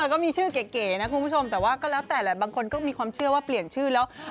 ก็มีชื่อเก๋นะคุณผู้ชมแต่ว่าก็แล้วแต่แหละบางคนก็มีความเชื่อว่าเปลี่ยนชื่อแล้ว